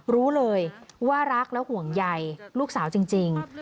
รู้เลยว่ารักและห่วงใยลูกสาวจริง